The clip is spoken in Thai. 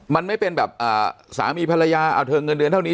มันไม่เป็นแบบสามีภรรยาเอาเธอเงินเดือนเท่านี้